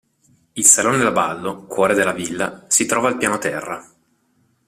Il salone da ballo, cuore della villa, si trova al piano terra.